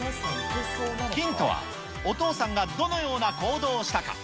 ヒントはお父さんがどのような行動をしたか。